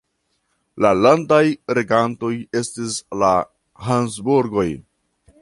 La landaj regantoj estis la Habsburgoj.